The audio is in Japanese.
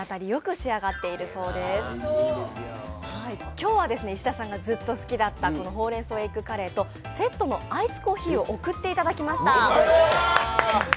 今日は石田さんがずっと好きだったほうれん草エッグカレーとセットのアイスコーヒーを送っていただきました。